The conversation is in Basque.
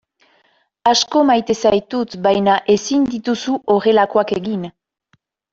Asko maite zaitut baina ezin dituzu horrelakoak egin.